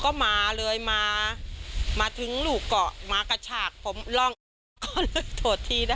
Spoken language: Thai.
ก็ทางน้องของประใจบอกว่ายืนยันว่าทุกคนที่อยู่ในเหตุการณ์ได้ยินหมดค่ะไม่ใช่แค่น้องของประใจได้ยินคนเดียวว่าฝั่งคู่กรดีเขาพูดประโยคแบบนี้จริง